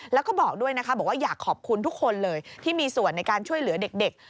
แล้วก็บอกด้วยนะคะบอกว่าอยากขอบคุณทุกคนเลยที่มีส่วนในการช่วยเหลือเด็ก